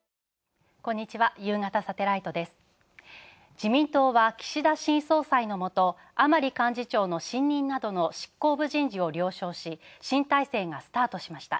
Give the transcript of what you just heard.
自民党は岸田新総裁のもと、甘利幹事長の新任などの執行部人事を了承し新体制がスタートしました。